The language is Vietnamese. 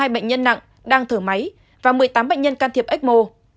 hai bảy trăm năm mươi hai bệnh nhân nặng đang thở máy và một mươi tám bệnh nhân can thiệp ecmo